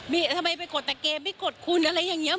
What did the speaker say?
มีกรมไม่กดเด้ระเกนไม่กดคุณอะไรอย่างเงี้ย